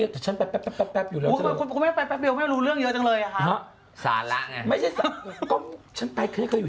คุณไม่ได้ไปปั๊บเดียวไม่รู้เรื่องเยอะจังเลยอะ